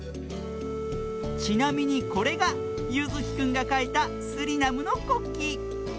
ちなみにこれがゆずきくんがかいたスリナムのこっき。